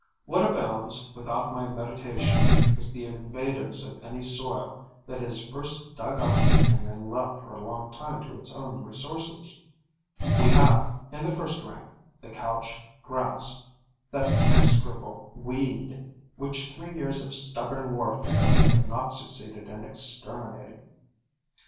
What abounds without my mediation is the invaders of any soil that is first dug up and then left for a long time to its own resources. We have, in the first rank, the couch grass, that execrable weed which three years of stubborn warfare have not succeeded in exterminating.